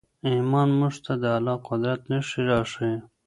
ایمان موږ ته د الله د قدرت نښې راښیي.